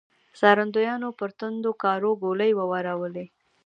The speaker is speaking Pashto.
څارندويانو پر توندکارو ګولۍ وورولې.